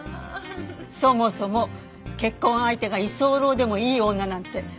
そもそも結婚相手が居候でもいい女なんてどこにもいないから。